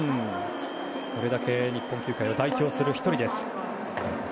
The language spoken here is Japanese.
それだけ日本球界を代表する１人です。